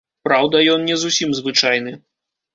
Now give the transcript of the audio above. Праўда, ён не зусім звычайны.